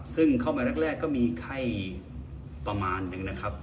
ซึ่งเข้ามาแรกก็มีไข้ประมาณหนึ่งนะครับ